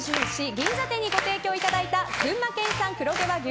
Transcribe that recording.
銀座店にご提供いただいた群馬県産黒毛和牛